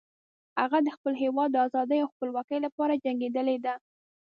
هغه د خپل هیواد د آزادۍ او خپلواکۍ لپاره جنګیدلی ده